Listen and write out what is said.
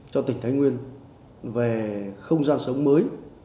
cho tỉnh thái nguyên về không gian sống mới